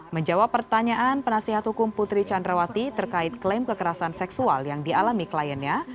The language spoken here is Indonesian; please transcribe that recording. menjawab pertanyaan penasihat hukum putri candrawati terkait klaim kekerasan seksual yang dialami kliennya